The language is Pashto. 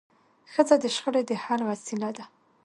ښځه د شخړي د حل وسیله نه ده.